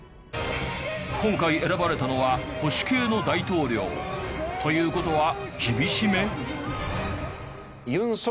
今回選ばれたのは保守系の大統領。という事は厳しめ？